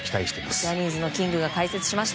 ジャニーズのキングが解説しました。